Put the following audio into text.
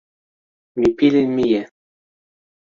mi pilin mije.